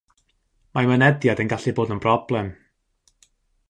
Mae mynediad yn gallu bod yn broblem..